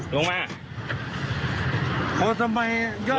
ลุงมาลุงมา